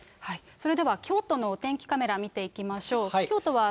それでは京都のお天気カメラ見ていきましょう。